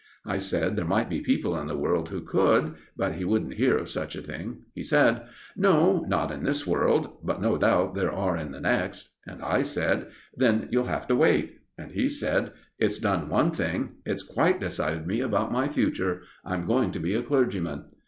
I said there might be people in the world who could, but he wouldn't hear of such a thing. He said: "No not in this world; but no doubt there are in the next." And I said: "Then you'll have to wait." And he said: "It's done one thing; it's quite decided me about my future. I'm going to be a clergyman."